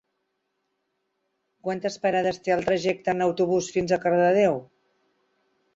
Quantes parades té el trajecte en autobús fins a Cardedeu?